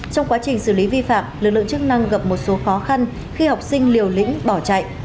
trong quá trình xử lý vi phạm lực lượng chức năng gặp một số khó khăn khi học sinh liều lĩnh bỏ chạy